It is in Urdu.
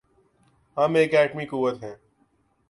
ہم ایک ایٹمی قوت ہیں۔